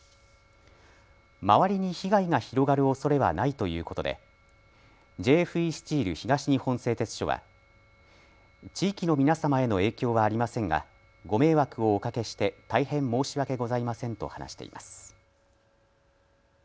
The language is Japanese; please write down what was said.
周りに被害が広がるおそれはないということでＪＦＥスチール東日本製鉄所は地域の皆様への影響はありませんがご迷惑をおかけして大変申し訳ございませんと話しています。